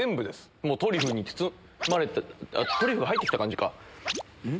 もうトリュフに包まれて、トリュフが入ってきた感じか。